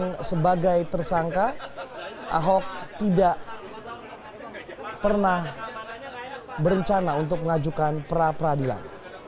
dan sebagai tersangka ahok tidak pernah berencana untuk mengajukan peradilan